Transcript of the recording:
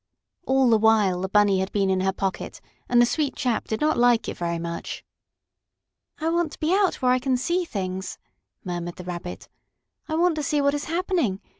All the while the Bunny had been in her pocket, and the sweet chap did not like it very much. "I want to be out where I can see things," murmured the Rabbit. "I want to see what is happening.